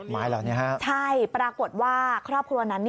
ไม้เหล่านี้ฮะใช่ปรากฏว่าครอบครัวนั้น